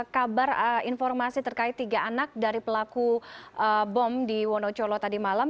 kabar informasi terkait tiga anak dari pelaku bom di wonocolo tadi malam